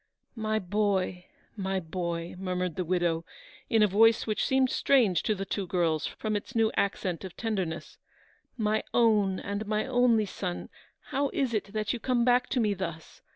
" My boy, my boy," murmured the widow, in a voice which seemed strange to the two girls, from its new accent of tenderness ;" my own and only son, how is it that you come back to me thus